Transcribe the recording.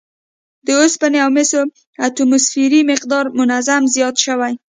د اوسپنې او مسو اتوموسفیري مقدار منظم زیات شوی